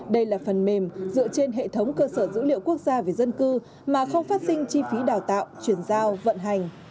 đây là phần mềm dựa trên hệ thống cơ sở dữ liệu quốc gia về dân cư mà không phát sinh chi phí đào tạo chuyển giao vận hành